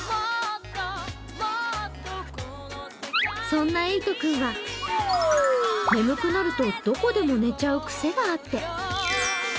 そんなえいと君は眠くなるとどこでも寝ちゃう癖があって。